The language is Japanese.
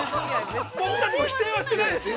◆僕たちも否定はしてないですよ。